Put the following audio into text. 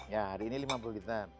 ya hari ini lima puluh jutaan